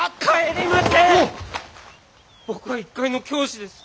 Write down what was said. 僕は一介の教師です。